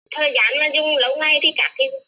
thời gian dùng lâu nay thì các